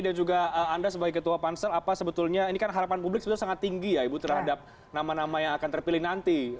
dan juga anda sebagai ketua pansel apa sebetulnya ini kan harapan publik sebetulnya sangat tinggi ya ibu terhadap nama nama yang akan terpilih nanti